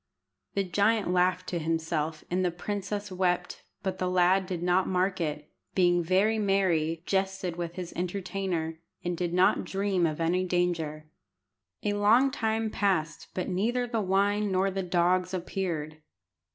The giant laughed to himself, and the princess wept, but the lad did not mark it, being very merry, jested with his entertainer, and did not dream of any danger. A long time passed, but neither the wine nor the dogs appeared.